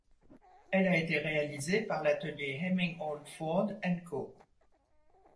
Elle a été réalisée par l'atelier Hemming Old Ford & Co.